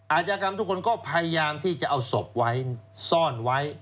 อาจยากรรมทุกคนก็พยายามที่จะเอาศพไว้ซ่อนไว้